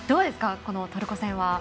このトルコ戦は。